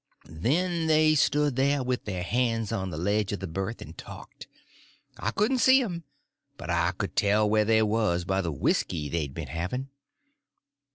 Then they stood there, with their hands on the ledge of the berth, and talked. I couldn't see them, but I could tell where they was by the whisky they'd been having.